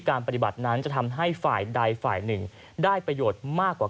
ปฏิบัตินั้นจะทำให้ฝ่ายใดฝ่ายหนึ่งได้ประโยชน์มากกว่า